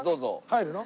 入るの？